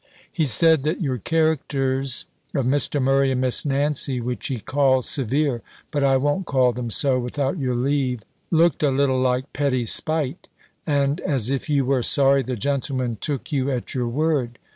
He said, that your characters of Mr. Murray and Miss Nancy, which he called severe (but I won't call them so, without your leave), looked a little like petty spite, and as if you were sorry the gentleman took you at your word.